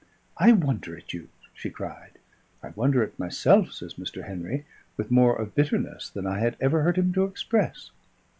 "I wonder at you!" she cried. "I wonder at myself," says Mr. Henry, with more of bitterness than I had ever heard him to express.